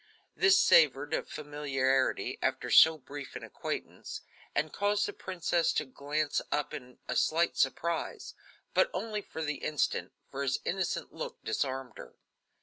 This savored of familiarity after so brief an acquaintance, and caused the princess to glance up in slight surprise; but only for the instant, for his innocent look disarmed her.